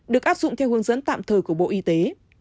được áp dụng theo hướng dẫn tạm thời của bộ y tế